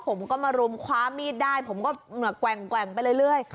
ผมก็มารุมคว้ามีดได้ผมก็แกว่งไปเรื่อย